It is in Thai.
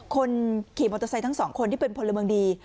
คนขี่มอเตอร์ไซค์ทั้งสองคนที่เป็นพลเมืองดี